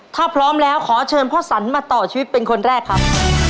ถ้าพร้อมแล้วขอเชิญพ่อสันมาต่อชีวิตเป็นคนแรกครับ